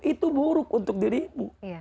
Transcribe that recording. itu buruk untuk dirimu